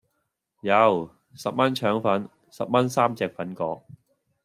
有,十蚊腸粉,十蚊三隻粉果